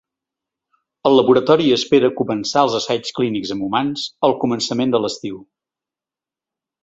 El laboratori espera començar els assaigs clínics amb humans al començament de l’estiu.